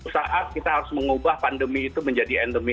saat kita harus mengubah pandemi itu menjadi endemi